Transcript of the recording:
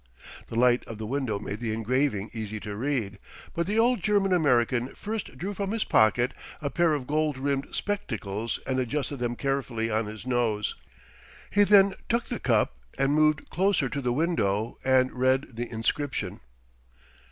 The light of the window made the engraving easy to read, but the old German American first drew from his pocket a pair of gold rimmed spectacles and adjusted them carefully on his nose. He then took the cup and moved closer to the window and read the inscription.